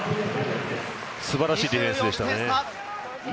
素晴らしいディフェンスでしたね。